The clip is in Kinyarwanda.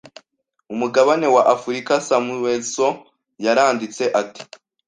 umugabane wa Afurika Samuelson yaranditse ati: "